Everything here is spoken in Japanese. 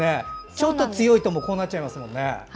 ちょっと強いとこうなっちゃいますもんね。